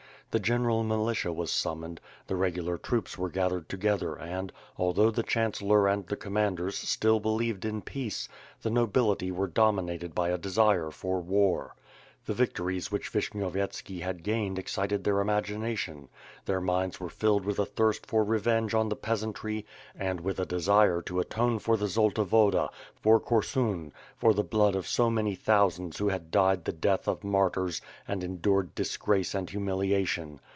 The general militia was summoned; the regular troops were gathered together and, although the chan cellor and the commanders still believed in peace, the nobility was dominated by a desire for war. The victories which Vish nyovyetski had gained excited their imagination. Their minds were filled with a thirst for revenge on the peasantry and with a desire to atone for the Zolta Woda, for Korsun, for the blood of so many thousands who had died the death of martyrs and endured disgrace and humiliation.